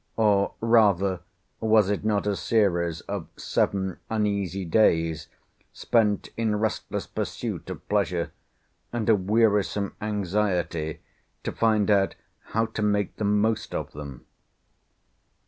or rather was it not a series of seven uneasy days, spent in restless pursuit of pleasure, and a wearisome anxiety to find out how to make the most of them?